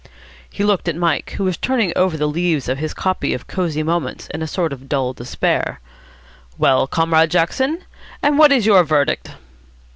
'" He looked at Mike, who was turning over the leaves of his copy of Cosy Moments in a sort of dull despair. "Well, Comrade Jackson, and what is your verdict?"